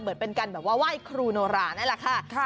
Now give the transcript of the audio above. เหมือนเป็นการว่าไหว้ครูโนรานั่นแหละค่ะ